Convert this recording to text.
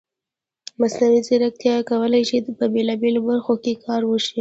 مصنوعي ځیرکتیا کولی شي په بېلابېلو برخو کې کار وشي.